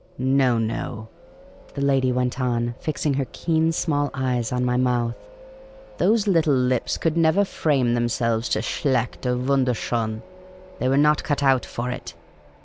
''" No, no," the old lady went on, fixing her keen small eyes on my mouth. " Those little lips could never frame themselves to ' schlccht ' or ' ivundcrschbn '; they were not cut out for it."